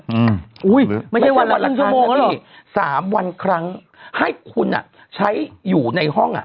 อืมอุ้ยไม่ใช่วันละครั้งนะพี่สามวันครั้งให้คุณอ่ะใช้อยู่ในห้องอ่ะ